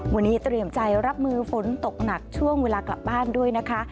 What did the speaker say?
วันนี้เตรียมใจรับมือฝนตกหนักช่วงเวลากลับบ้านด้วยนะคะ